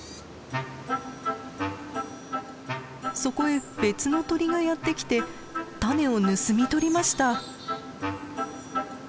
そこへ別の鳥がやって来て種を盗み取りました。